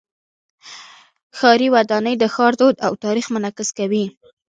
ښاري ودانۍ د ښار دود او تاریخ منعکس کوي.